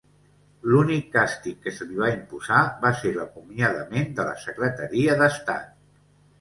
L'únic càstig que se li va imposar va ser l'acomiadament de la Secretaria d'Estat.